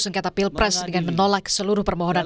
sengketa pilpres dengan menolak seluruh permohonan